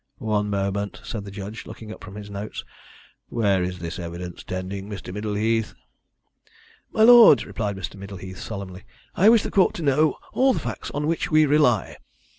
"One moment," said the judge, looking up from his notes. "Where is this evidence tending, Mr. Middleheath?" "My lord," replied Mr. Middleheath solemnly, "I wish the court to know all the facts on which we rely."